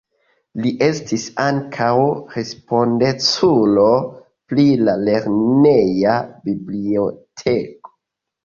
Li estis ankaŭ respondeculo pri la lerneja biblioteko.